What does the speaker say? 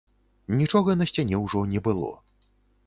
Нічога на сцяне ўжо не было.